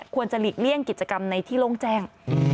หลีกเลี่ยงกิจกรรมในที่โล่งแจ้ง